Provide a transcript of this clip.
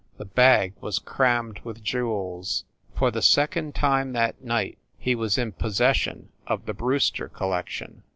The bag was crammed with jewels ! For the sec ond time, that night he was in possession of the Brewster collection.